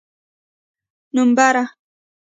نومبره!